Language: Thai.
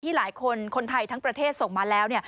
หลายคนคนไทยทั้งประเทศส่งมาแล้ว